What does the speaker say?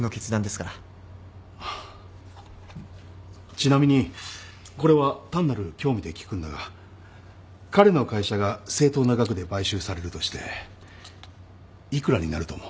ちなみにこれは単なる興味で聞くんだが彼の会社が正当な額で買収されるとして幾らになると思う？